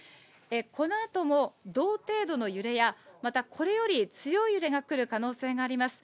このあとも同程度の揺れや、またこれより強い揺れが来る可能性があります。